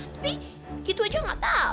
tapi gitu aja gak tau